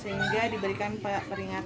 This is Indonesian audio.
sehingga diberikan kemampuan untuk menangkapnya